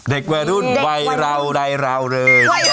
เด็กวัยรุ่นวัยเราใดเราเลย